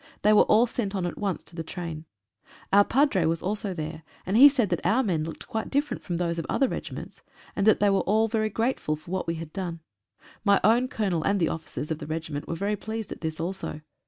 They were all sent on at once to the train. Our padre was also there, and he said that our men looked quite different from those of other regiments, and that they were all very grateful for what we had done. My own Colonel and the officers of the regiment were very pleased at this also.